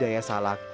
dan budidaya salak